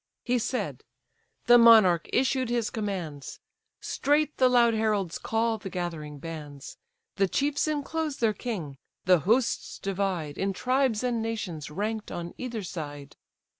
He said; the monarch issued his commands; Straight the loud heralds call the gathering bands; The chiefs inclose their king; the hosts divide, In tribes and nations rank'd on either side.